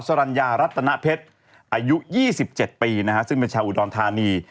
สรรญารัตนเพชรอายุ๒๗ปีนะฮะซึ่งเป็นชาวอุดรธานี